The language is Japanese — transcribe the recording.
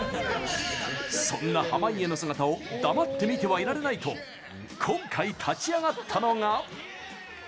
そんな濱家の姿を黙って見てはいられないと今回、立ち上がったのが。